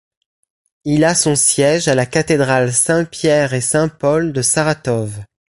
Il a son siège à la cathédrale Saint-Pierre-et-Saint-Paul de Saratov.